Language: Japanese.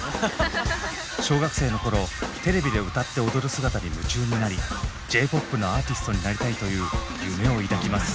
小学生の頃テレビで歌って踊る姿に夢中になりＪ−ＰＯＰのアーティストになりたいという夢を抱きます。